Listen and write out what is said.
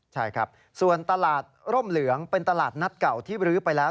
ใช่ครับส่วนตลาดร่มเหลืองเป็นตลาดนัดเก่าที่บรื้อไปแล้ว